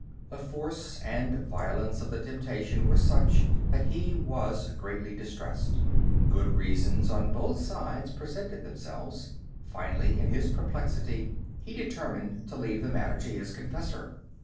The force and violence of the temptation were such that he was greatly distressed. Good reasons on both sides presented themselves. Finally, in his perplexity, he determined to leave the matter to his confessor.